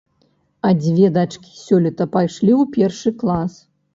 А дзве дачкі сёлета пайшлі ў першы клас.